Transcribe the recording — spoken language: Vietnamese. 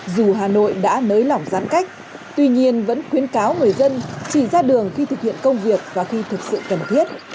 dù hà nội đã nới lỏng giãn cách tuy nhiên vẫn khuyến cáo người dân chỉ ra đường khi thực hiện công việc và khi thực sự cần thiết